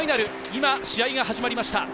今、試合が始まりました。